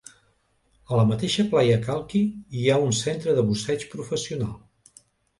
A la mateixa Playa Kalki hi ha un centre de busseig professional.